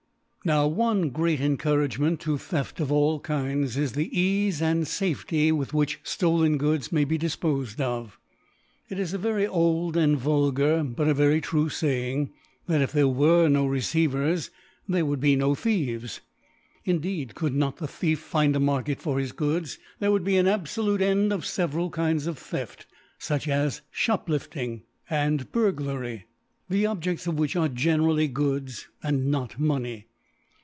t I NOW one great Encouragement to Theft of all Kinds is the Eafe and Safety with which ftolen Goods may be dit pofed of. It is a very old and vulgar, but a very true Saying, ' that if there were no * Receivers, there would be no Thieves.* Indeed could not the Thitf find a Market for his Good?, there would be an abfolutc End of (everal Kinds of Theft •, fuch a^ Shop lifting, Burglary, £5?^. the Objeds of which are generally Goods and not Money.